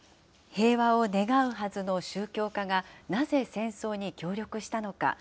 平和を願うはずの宗教家が、なぜ戦争に協力したのか。